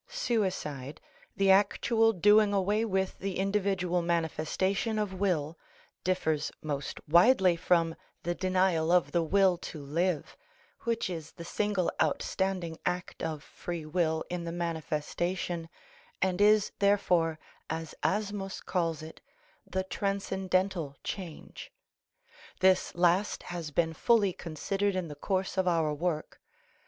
Suicide, the actual doing away with the individual manifestation of will, differs most widely from the denial of the will to live, which is the single outstanding act of free will in the manifestation, and is therefore, as Asmus calls it, the transcendental change. This last has been fully considered in the course of our work.